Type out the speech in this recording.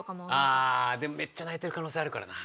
ああでもめっちゃ泣いてる可能性あるからな。